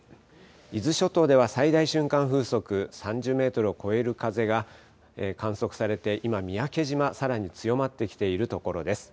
伊豆諸島では最大瞬間風速３０メートルを超える風が観測されて今、三宅島、さらに強まってきているところです。